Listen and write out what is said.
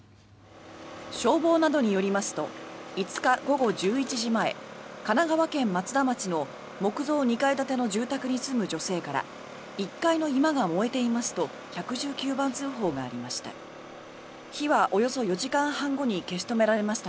消防などによりますと５日午後１１時前神奈川県松田町の木造２階建ての住宅に住む女性から１階の居間が燃えていますと１１９番通報がありました。